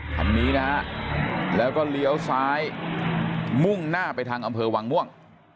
คันนี้นะฮะแล้วก็เลี้ยวซ้ายมุ่งหน้าไปทางอำเภอวังม่วง